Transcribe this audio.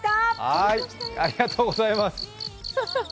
はーい、ありがとうございます。